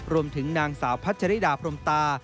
รวมถึงนางสาวพัชริดาพรมตา